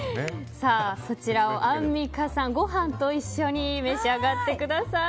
そちらをアンミカさんご飯と一緒に召し上がってください。